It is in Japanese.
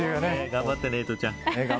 頑張ってねエイトちゃん。